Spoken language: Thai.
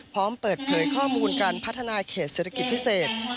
พร้อมเปิดเผยข้อมูลการพัฒนาเขตเศรษฐกิจพิเศษ